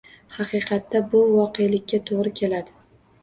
Haqiqatda, bu voqe'likka to‘g‘ri keladi